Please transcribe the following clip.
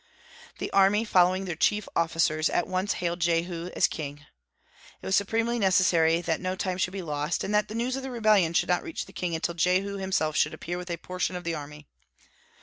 The army, following the chief officers, at once hailed Jehu as king. It was supremely necessary that no time should be lost, and that the news of the rebellion should not reach the king until Jehu himself should appear with a portion of the army.